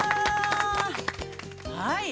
はい！